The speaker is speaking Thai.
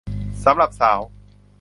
สำหรับสาว